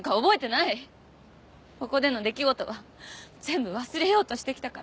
ここでの出来事は全部忘れようとしてきたから。